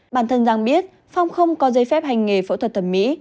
bản thân giang biết phong không có giấy phép hành nghề phẫu thuật thẩm mỹ